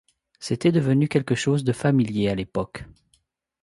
C'était devenu quelque chose de familier à l'époque.